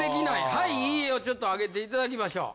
はいいいえをちょっと挙げていただきましょう。